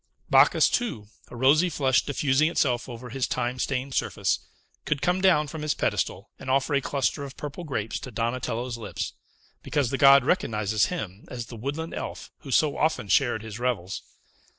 Bacchus, too, a rosy flush diffusing itself over his time stained surface, could come down from his pedestal, and offer a cluster of purple grapes to Donatello's lips; because the god recognizes him as the woodland elf who so often shared his revels.